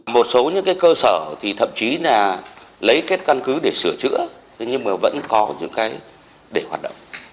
một số những cái cơ sở thì thậm chí là lấy cái căn cứ để sửa chữa nhưng mà vẫn có những cái để hoạt động